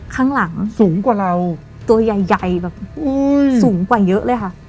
ข้างหลังสูงกว่าเราตัวใหญ่แบบสูงกว่าเยอะเลยค่ะ